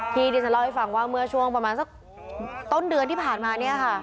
ที่ดิฉันเล่าให้ฟังว่าเมื่อช่วงประมาณสักต้นเดือนที่ผ่านมาเนี่ยค่ะ